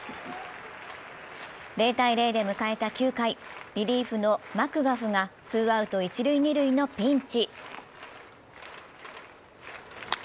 ０−０で迎えた９回、リリーフのマクガフがツーアウト一塁・二塁のピンチ。